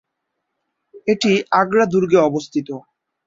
এটি আগ্রা দুর্গে অবস্থিত।